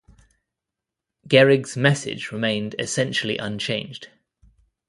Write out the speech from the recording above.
Gehrig's message remained essentially unchanged.